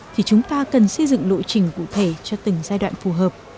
thì chúng ta cần xây dựng lộ trình cụ thể cho từng giai đoạn phù hợp